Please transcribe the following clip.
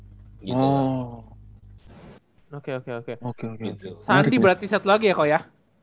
sandi berarti satu lagi ya